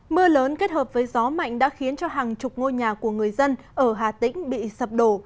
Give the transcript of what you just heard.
mưa lớn kết hợp với gió mạnh đã khiến cho hàng chục ngôi nhà của người dân ở hà tĩnh bị sập đổ